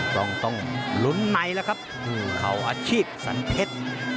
ต้องลุ้นในแล้วครับเขาอาชีพสันเทศ